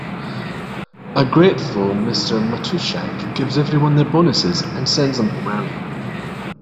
A grateful Mr. Matuschek gives everyone their bonuses and sends them home early.